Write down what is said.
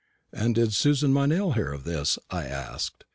'" "And did Susan Meynell hear this?" I asked.